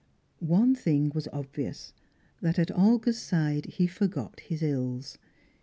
One thing was obvious, that at Olga's side he forgot his ills.